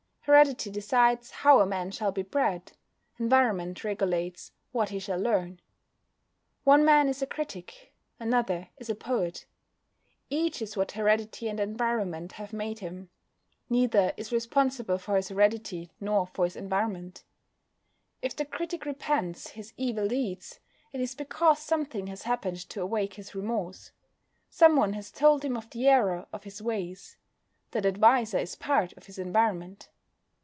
Heredity decides how a man shall be bred; environment regulates what he shall learn. One man is a critic, another is a poet. Each is what heredity and environment have made him. Neither is responsible for his heredity nor for his environment. If the critic repents his evil deeds, it is because something has happened to awake his remorse. Someone has told him of the error of his ways. That adviser is part of his environment.